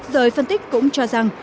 giới phân tích cũng cho rằng